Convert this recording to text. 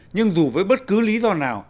nhưng dù với bất cứ lý do nào